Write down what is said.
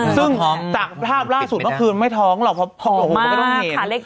ซึ่งจากภาพล่าสุดเมื่อคืนไม่ท้องหรอกเพราะพอออกมาก็ต้องขาเล็ก